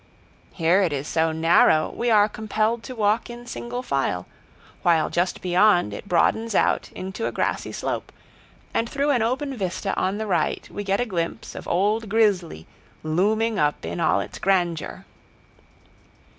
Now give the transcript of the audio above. Here it is so narrow we are compelled to walk in single file, while just beyond it broadens out into a grassy slope, and through an open vista on the right we get a glimpse of Old Grizzly looming up in all its grandeur.